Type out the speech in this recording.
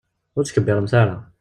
Ur tkebbiremt ara.